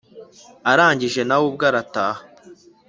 arangije nawe ubwe arataha.